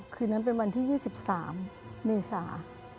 คืนนั้นเป็นวันที่๒๓เมษา